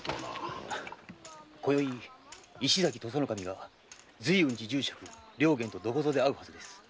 今宵石崎土佐守が瑞雲寺住職・良源とどこぞで会うはずです。